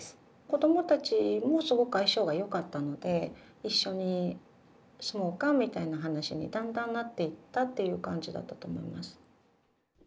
子供たちもすごく相性がよかったので一緒に住もうかみたいな話にだんだんなっていったっていう感じだったと思います。